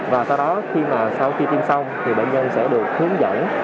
và sau đó khi mà sau khi tiêm xong thì bệnh nhân sẽ được hướng dẫn